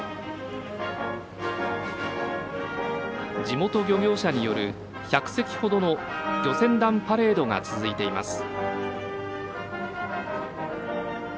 地元漁業者による１００隻ほどの漁船団パレードが続いています。